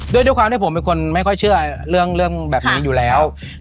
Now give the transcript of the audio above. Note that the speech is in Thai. ด้วยความที่ผมเป็นคนไม่ค่อยเชื่อเรื่องแบบนี้อยู่แล้ว